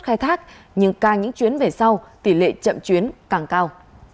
khai thác nhưng càng những chuyến về sau tỷ lệ chậm chuyến càng cao